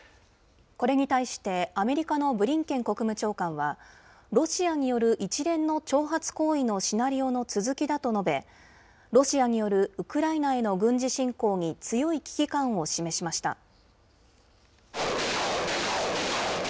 これに対して、アメリカのブリンケン国務長官は、ロシアによる一連の挑発行為のシナリオの続きだと述べ、ロシアによるウクライナへの軍事侵攻に強い危機感を示しました。